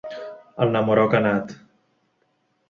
El Namoroka Nat.